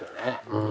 うん。